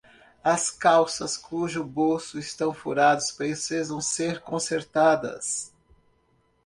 As calças cujos bolsos estão furados precisam ser consertadas.